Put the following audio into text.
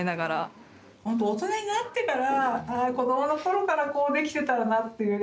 ほんと大人になってからこどもの頃からこうできてたらなっていう。